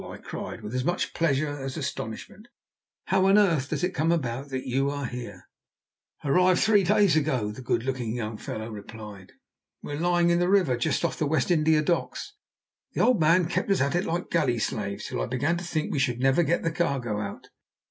I cried, with as much pleasure as astonishment. "How on earth does it come about that you are here?" "Arrived three days ago," the good looking young fellow replied. "We're lying in the River just off the West India Docks. The old man kept us at it like galley slaves till I began to think we should never get the cargo out.